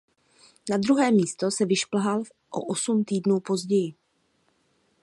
Na druhé místo se vyšplhal o osm týdnů později.